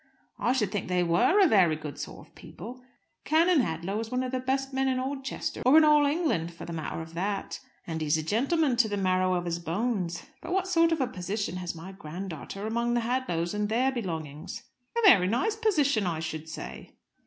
"I should think they were very good sort of people! Canon Hadlow is one of the best men in Oldchester; or in all England, for the matter of that. And he's a gentleman to the marrow of his bones. But what sort of a position has my grand daughter among the Hadlows and their belongings?" "A very nice position, I should say."